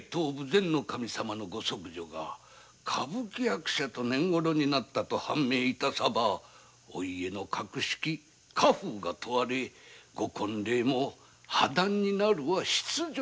前守様のご息女が歌舞伎役者と懇ろになったと判明致さばお家の格式家風が問われご婚礼も破談になるは必定。